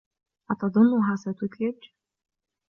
أتظنها ستُثلج؟